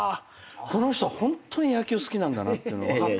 この人ホントに野球好きなんだなっていうの分かった。